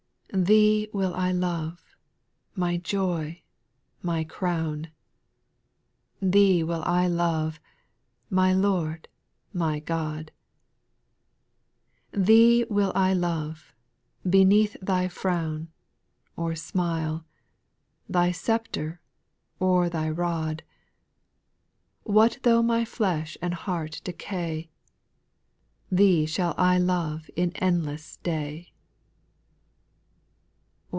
6. Thee will I love, my joy, my crown ; Thee will I love, my Lord, my Gk)d ; Thee will I love, beneath Thy frown, Or smile, — Thy sceptre, or Thy rod ; What though my flesh and heart decay, Thee shall I love in endless day.